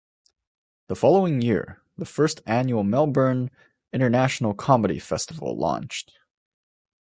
The following year, the first annual Melbourne International Comedy Festival launched.